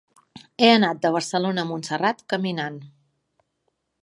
He anat de Barcelona a Montserrat caminant.